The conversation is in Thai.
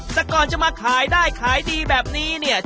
แต่ก่อนจะมาขายได้ขายดีแบบนี้เนี่ย